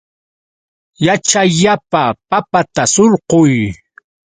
Yaćhayllapa papata surquy.